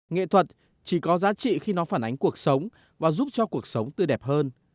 nghệ thuật chỉ có giá trị khi nó phản ánh cuộc sống và giúp cho cuộc sống tươi đẹp hơn